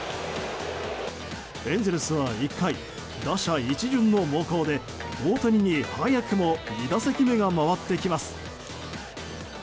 エンゼルスは１回打者一巡の猛攻で大谷に早くも２打席目が回ってきます。